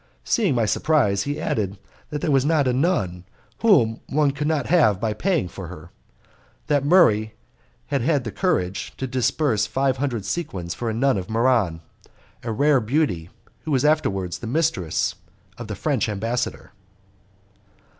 Seeing my surprise, he added that there was not a nun whom one could not have by paying for her: that Murray had the courage to disburse five hundred sequins for a nun of Muran a rare beauty, who was afterwards the mistress of the French ambassador.